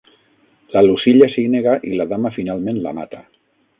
La Lucilla s'hi nega i la Dama finalment la mata.